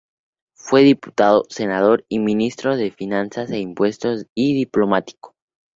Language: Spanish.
Fue diputado, senador, ministro de finanzas e impuestos y diplomático.